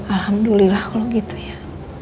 alhamdulillah gitu ya